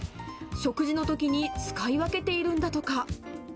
食事のときに使い分けているんだとか。